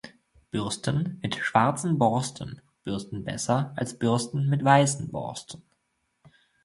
Bürsten mit schwarzen Borsten bürsten besser als Bürsten mit weißen Borsten.